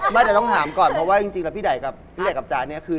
แต่ต้องถามก่อนก็เพราะพี่ใด่กับจ๋านคือ